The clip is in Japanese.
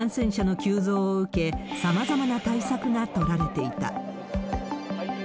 感染者の急増を受け、さまざまな対策が取られていた。